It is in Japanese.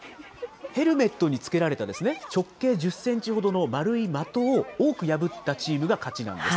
ヘルメットにつけられた直径１０センチほどの丸い的を多く破ったチームが勝ちなんです。